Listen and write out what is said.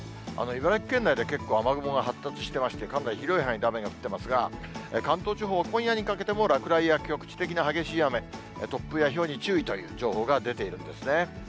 茨城県内で結構、雨雲が発達してまして、かなり広い範囲で雨が降っていますが、関東地方、今夜にかけても落雷や局地的な激しい雨、突風やひょうに注意という情報が出ているんですね。